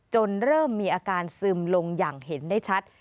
เริ่มมีอาการซึมลงอย่างเห็นได้ชัด